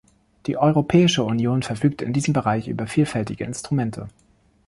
Die Europäische Union verfügt in diesem Bereich über vielfältige Instrumente.